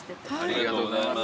ありがとうございます。